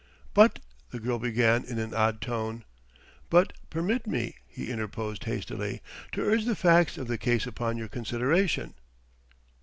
"But " the girl began in an odd tone. "But permit me," he interposed hastily, "to urge the facts of the case upon your consideration."